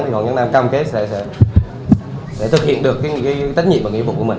thì hoàng nhân nam cam kết sẽ thực hiện được cái tách nhiệm và nghĩa vụ của mình